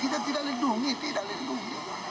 kita tidak lindungi tidak lindungi